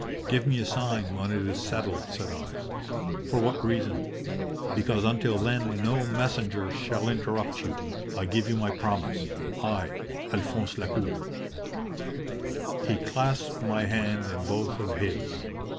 "'Give me a sign when it is settled,' said I. "'For what reason?' "'Because until then no messenger shall interrupt you. I give you my promise I, Alphonse Lacour.' "He clasped my hand in both of his.